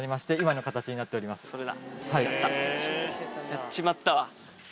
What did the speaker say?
やっちまったわ。